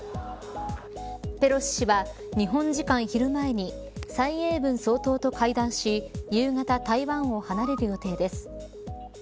ペロシ氏は、日本時間昼前に蔡英文総統と会談し夕方、台湾を離れる予定です。